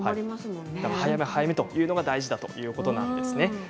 早め早めが大事ということなんですね。